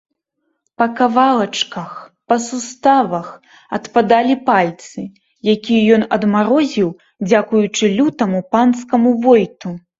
Па кавалачках, па суставах адпадалі пальцы, якія ён адмарозіў дзякуючы лютаму панскаму войту.